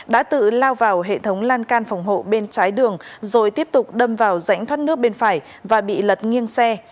đã tự lao vào hệ thống lan can phòng hộ bên trái đường rồi tiếp tục đâm vào rãnh thoát nước bên phải và bị lật nghiêng xe